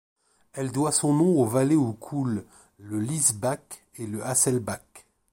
Elle doit son nom aux vallées où coulent le Lißbach et le Hasselbach.